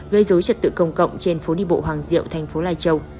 gây dối trật tự công cộng trên phố đi bộ hoàng diệu thành phố lai châu